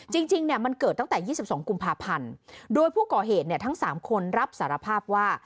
จริงเนี่ยมันเกิดตั้งแต่๒๒กุมภาพันธ์โดยผู้ก่อเหตุเนี่ยทั้ง๓คนรับสารภาพว่า